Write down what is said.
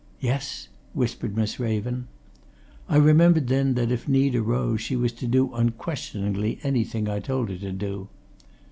"Yes?" whispered Miss Raven. I remembered then that if need arose she was to do unquestioningly anything I told her to do.